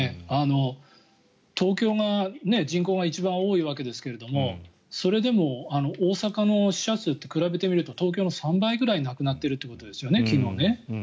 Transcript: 東京が人口が一番多いわけですけどもそれでも大阪の死者数って比べてみると東京の３倍ぐらい亡くなっているということです。